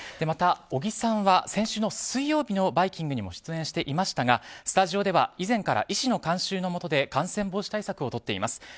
また、小木さんは先週の水曜日の「バイキング」にも出演していましたがスタジオでは以前から医師の監修のもとで感染防止対策をとっています。